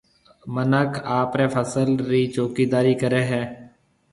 منک آپرَي فصل رِي چوڪيِدارِي ڪرَي ھيََََ